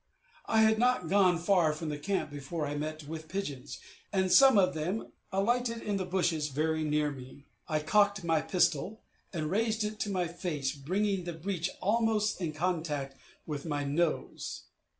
I had not gone far from the camp before I met with pigeons, and some of them alighted in the bushes very near me. I cocked my pistol, and raised it to my face, bringing the breech almost in contact with my nose.